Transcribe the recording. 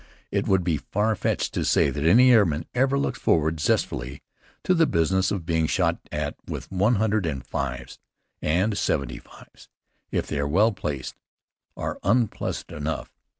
It would be far fetched to say that any airman ever looks forward zestfully to the business of being shot at with one hundred and fives; and seventy fives, if they are well placed, are unpleasant enough.